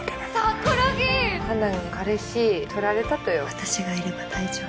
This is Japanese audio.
私がいれば大丈夫。